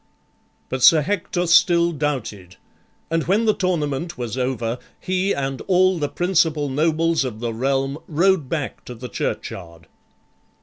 But Sir Hector still doubted, and when the tournament was over, he and all the principal nobles of the realm rode back to the churchyard.